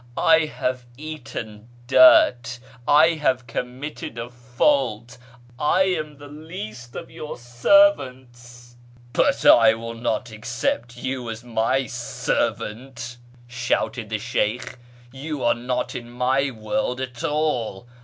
I have eaten dirt ! I have committed a fault ! I am the least of your servants !"" But I will not accept you as my servant," shouted the Sheykh ;" you are not in my world at all.